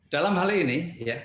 dalam hal ini